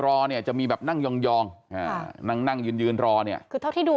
รอเนี่ยจะมีแบบนั่งยองนั่งยืนรอเนี่ยเพราะที่ดู